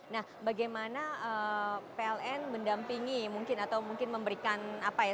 nah bagaimana pln mendampingi mungkin atau mungkin memberikan apa ya